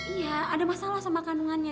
iya ada masalah sama kandungannya